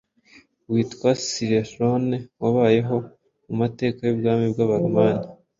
witwa Cicéron wabayeho mu mateka y'ubwami bw'Abaromani.